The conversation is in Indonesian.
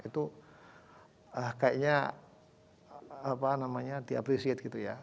itu kayaknya apa namanya di appreciate gitu ya